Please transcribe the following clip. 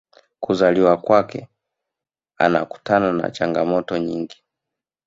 kuzaliwa kwake anakutana na changamoto nyingi